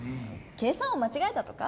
計算をまちがえたとか？